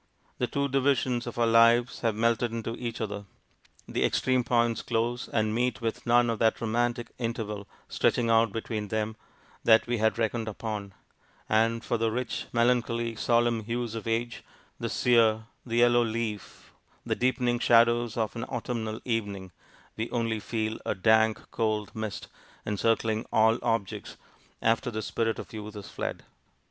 The two divisions of our lives have melted into each other: the extreme points close and meet with none of that romantic interval stretching out between them that we had reckoned upon; and for the rich, melancholy, solemn hues of age, 'the sear, the yellow leaf,' the deepening shadows of an autumnal evening, we only feel a dank, cold mist, encircling all objects, after the spirit of youth is fled.